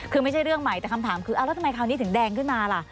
คือไม่ใช่เรื่องใหม่แต่คำถามคือแล้วทำไมคราวนี้ถึงแดงขึ้นมาล่ะ